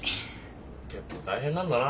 結構大変なんだな